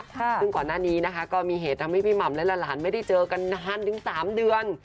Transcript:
ซึ่งก่อนหน้านี้นะคะก็มีเหตุทำให้พี่หม่ำและหลานไม่ได้เจอกันนานถึง๓เดือน